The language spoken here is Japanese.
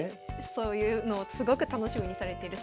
そういうのをすごく楽しみにされてるそうです。